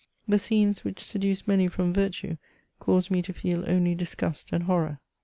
The scenes which seduced many from virtue, caused me to feel only disgust and horror.